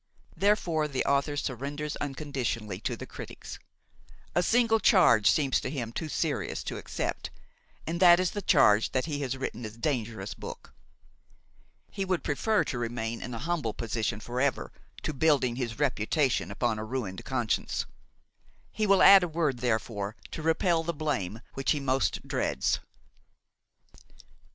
Therefore the author surrenders unconditionally to the critics; a single charge seems to him too serious to accept, and that is the charge that he has written a dangerous book. He would prefer to remain in a humble position forever to building his reputation upon a ruined conscience. He will add a word therefore to repel the blame which he most dreads.